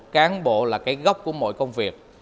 cán bộ là gốc của mọi công việc